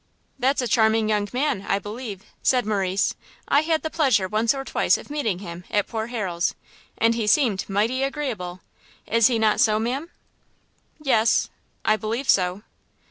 "That's a charming young man, I believe," said Morrice; "I had the pleasure once or twice of meeting him at poor Harrel's, and he seemed mighty agreeable. Is not he so, ma'am?" "Yes, I believe so."